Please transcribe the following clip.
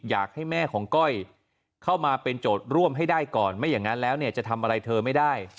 อยากให้แม่ของก้อยเข้ามาเป็นโจทย์ร่วมให้ได้ก่อนไม่อย่างนั้นแล้วเนี่ยจะทำอะไรเธอไม่ได้